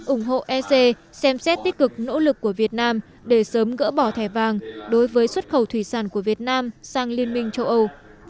ủng hộ ec xem xét tích cực nỗ lực của việt nam để sớm gỡ bỏ thẻ vàng đối với xuất khẩu thủy sản của việt nam sang liên minh châu âu